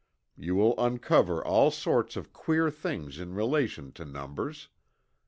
You will uncover all sorts of "queer" things in relation to numbers.